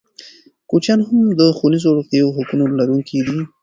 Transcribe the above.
کوچیان هم د ښوونیزو او روغتیايي حقونو لرونکي دي.